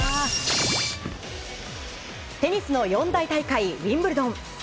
テニスの四大大会ウィンブルドン。